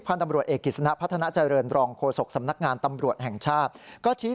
ไปที่ไหนอยากไลด์ขอลาเมื่อไหร่